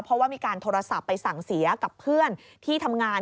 เพราะว่ามีการโทรศัพท์ไปสั่งเสียกับเพื่อนที่ทำงาน